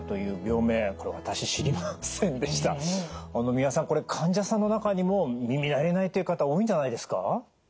三輪さんこれ患者さんの中にも耳慣れないという方多いんじゃないですか？